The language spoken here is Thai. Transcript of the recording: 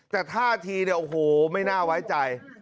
แต่ท่าทีเนี่ยโอ้โหไม่น่าไว้ใจ